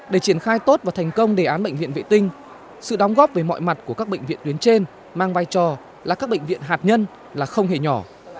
để triển khai tốt và thành công đề án bệnh viện vệ tinh sự đóng góp về mọi mặt của các bệnh viện tuyến trên mang vai trò là các bệnh viện hạt nhân là không hề nhỏ